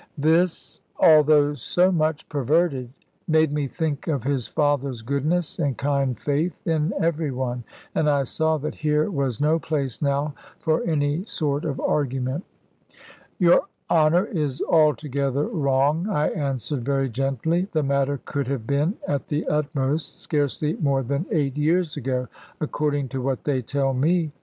This, although so much perverted, made me think of his father's goodness and kind faith in every one. And I saw that here was no place now for any sort of argument. "Your Honour is altogether wrong," I answered, very gently: "the matter could have been, at the utmost, scarcely more than eight years ago, according to what they tell me.